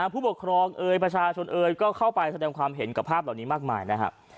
ผู้ปกครองเอยประชาชนเอ่ยก็เข้าไปแสดงความเห็นกับภาพเหล่านี้มากมายนะครับ